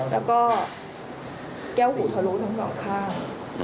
แล้วก็แก้วหูทะลุทั้งสองข้าง